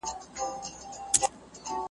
د بڼ بلبلي په واویلا کړي